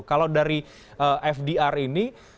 kalau dari fdr ini